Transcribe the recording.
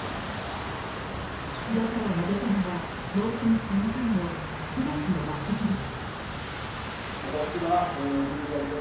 岸田カラーが出たのは当選３回の福田氏の抜てきです。